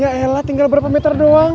ya ella tinggal berapa meter doang